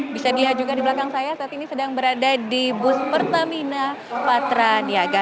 bisa dilihat juga di belakang saya saat ini sedang berada di bus pertamina patra niaga